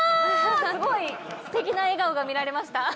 すごいステキな笑顔が見られました。